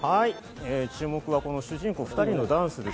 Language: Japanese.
注目がこの主人公２人のダンスです。